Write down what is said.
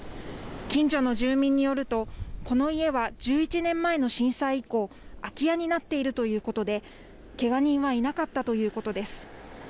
近所の住民によるとこの家は１１年前の震災以降、空き家になっているということでけが人は、いなかったということです。